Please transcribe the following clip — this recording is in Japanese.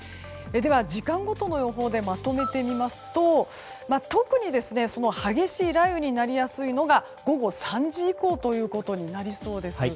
では時間ごとの予報でまとめてみますと特に激しい雷雨になりやすいのが午後３時以降ということになりそうです。